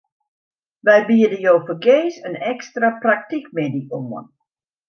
Wy biede jo fergees in ekstra praktykmiddei oan.